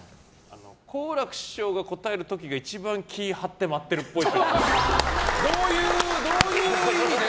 好楽師匠が答える時が一番気を張って待ってるっぽい。